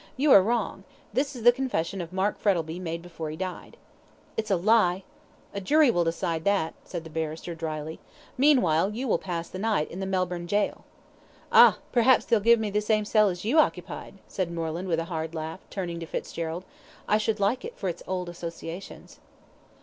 "You are wrong. This is the confession of Mark Frettlby made before he died." "It's a lie." "A jury will decide that," said the barrister, dryly. "Meanwhile you will pass the night in the Melbourne Gaol." "Ah! perhaps they'll give me the same cell as you occupied," said Moreland, with a hard laugh, turning to Fitzgerald. "I should like it for its old associations."